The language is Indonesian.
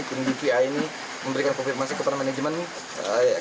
tim bpi ini memberikan konfirmasi kepada manajemen ini